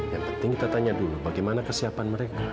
yang penting kita tanya dulu bagaimana kesiapan mereka